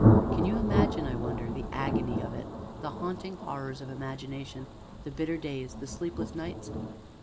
Can you imagine, I wonder, the agony of it, the haunting horrors of imagination, the bitter days, the sleepless nights?